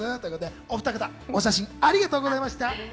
お二方、お写真、ありがとうございました。